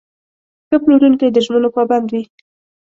ښه پلورونکی د ژمنو پابند وي.